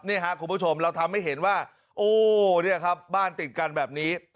นี่ครับคุณผู้ชมเราทำให้เห็นว่าโอ้เนี่ยครับบ้านติดกันแบบนี้